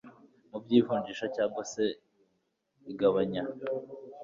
mu by ivunjisha cyangwa se igabanya